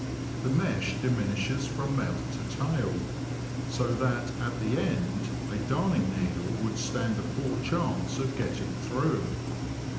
The mesh diminishes from mouth to tail, so that at the end a darning needle would stand a poor chance of getting through.